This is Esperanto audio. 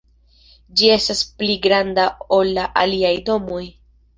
Ĝi estas pli granda ol la aliaj domoj.